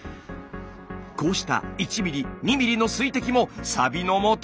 こうした１ミリ２ミリの水滴もサビのもと！